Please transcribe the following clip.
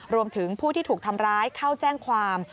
รวมถึงผู้ที่ถูกทำร้ายเข้าแจ้งความ